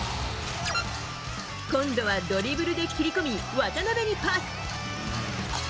今度はドリブルで切り込み渡邊にパス。